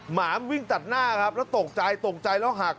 หมามันวิ่งตัดหน้าครับแล้วตกใจตกใจแล้วหัก